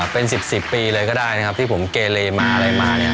เป็น๑๔ปีเลยก็ได้นะครับที่ผมเกรลีมาอะไรมา